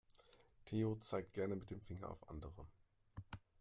Theo zeigt gerne mit dem Finger auf andere.